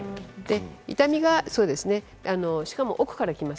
痛みが、しかも奥から来ます。